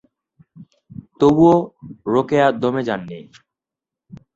তবু রোকেয়া দমে যাননি।